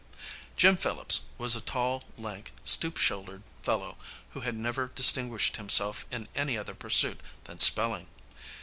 Jim Phillips was a tall, lank, stoop shouldered fellow who had never distinguished himself in any other pursuit than spelling.